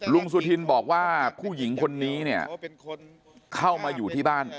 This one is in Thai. สุธินบอกว่าผู้หญิงคนนี้เนี่ยเข้ามาอยู่ที่บ้าน